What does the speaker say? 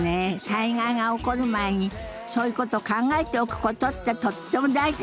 災害が起こる前にそういうことを考えておくことってとっても大事なことだと思うわ。